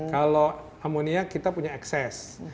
kalau amonia kita punya ekses